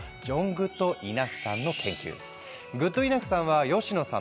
グッドイナフさんは吉野さんの逆。